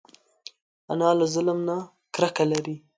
انا له ظلم نه کرکه لري